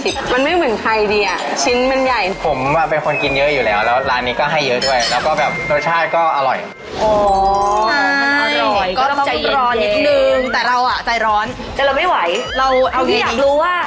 คนถัดหน้าตาเป็นยังไงเค้าใส่อะไรบ้างหรอ